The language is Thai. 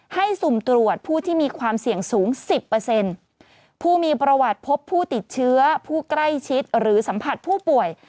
สุ่มตรวจผู้ที่มีความเสี่ยงสูง๑๐ผู้มีประวัติพบผู้ติดเชื้อผู้ใกล้ชิดหรือสัมผัสผู้ป่วย